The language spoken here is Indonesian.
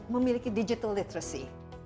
memiliki digital literacy